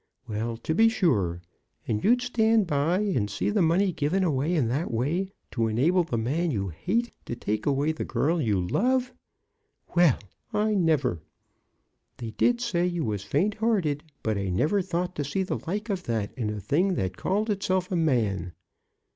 Well, to be sure! And you'd stand by and see the money given away in that way to enable the man you hate to take away the girl you love! Well, I never . They did say you was faint hearted, but I never thought to see the like of that in a thing that called itself a man."